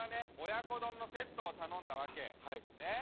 親子丼のセットを頼んだわけねえ